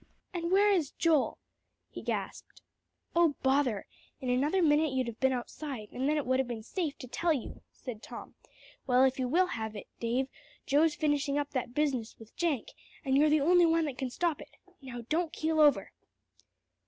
And where is Joel?" he gasped. "Oh, bother! in another minute you'd have been outside, and then it would be safe to tell you," said Tom. "Well, if you will have it, Dave, Joe's finishing up that business with Jenk, and you're the only one that can stop it. Now don't keel over."